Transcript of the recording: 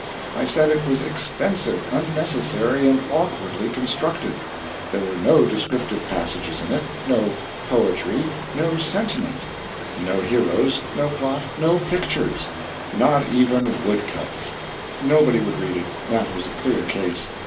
I said it was expensive, unnecessary, and awkwardly constructed; there were no descriptive passages in it, no poetry, no sentiment no heroes, no plot, no pictures not even wood cuts. Nobody would read it, that was a clear case.